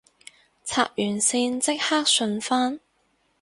插完線即刻順返